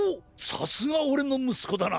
さすがオレのむすこだな！